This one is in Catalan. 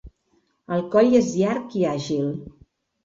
El coll és llarg i àgil.